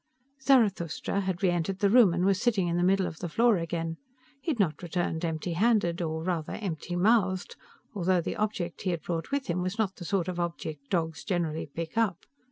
Zarathustra had re entered the room and was sitting in the middle of the floor again. He had not returned empty handed or rather, empty mouthed although the object he had brought with him was not the sort of object dogs generally pick up.